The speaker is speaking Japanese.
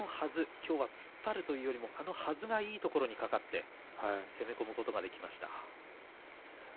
今日は突っ張るというよりもはずがいいところにかかって攻めていくことができました。